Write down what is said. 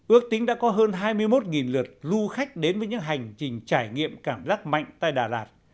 ước tính đã có hơn hai mươi một lượt du khách đến với những hành trình trải nghiệm cảm giác mạnh tại đà lạt